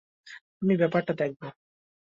আমি ব্যাপারটা দেখব।